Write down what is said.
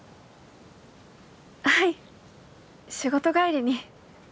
はい仕事帰りに。